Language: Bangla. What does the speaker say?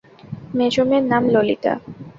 মেজো মেয়ের নাম ললিতা।